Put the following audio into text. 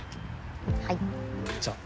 はいじゃあ